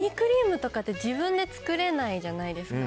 ウニクリームって自分で作れないじゃないですか。